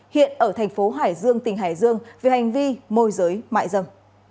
hiện ở thành phố hải dương tỉnh hải dương về hành vi môi giới mại dâm